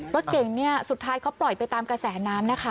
รถเก่งเนี่ยสุดท้ายเขาปล่อยไปตามกระแสน้ำนะคะ